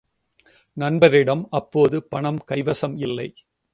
நண்பரிடம் அப்போது பணம் கைவசம் இல்லை.